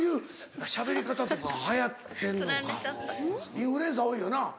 インフルエンサー多いよな。